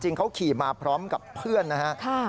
จริงเค้าขี่มาพร้อมกับเพื่อนนะคะ